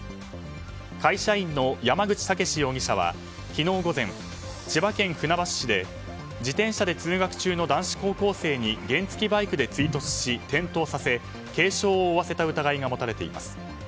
会社員の山口武士容疑者は昨日午前、千葉県船橋市で自転車で通学中の男子高校生に原付きバイクで追突し、転倒させ軽傷を負わせた疑いが持たれています。